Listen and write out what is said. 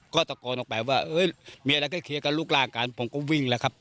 ก็ตะโกนออกไปว่ามีอะไรก็เคลียร์กันรูปร่างกันผมก็วิ่งแล้วครับ